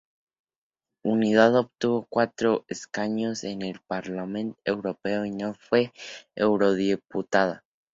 Unidad obtuvo cuatro escaños en el Parlamento Europeo y no fue eurodiputada.